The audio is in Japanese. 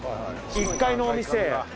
１階のお店。